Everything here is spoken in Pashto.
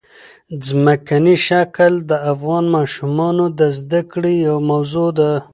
ځمکنی شکل د افغان ماشومانو د زده کړې یوه موضوع ده.